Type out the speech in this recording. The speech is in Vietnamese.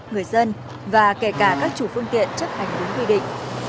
người dân và kể cả các chủ phương tiện chấp hành đúng quy định